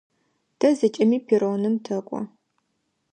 Тэ зэкӏэми перроным тэкӏо.